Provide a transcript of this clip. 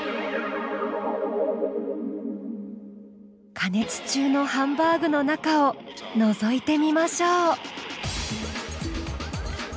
加熱中のハンバーグの中をのぞいてみましょう。